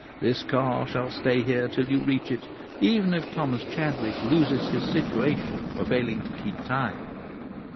This car shall stay here till you reach it, even if Thomas Chadwick loses his situation for failing to keep time."